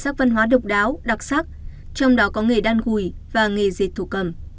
đặc sắc văn hóa độc đáo đặc sắc trong đó có nghề đan gùi và nghề dệt thổ cầm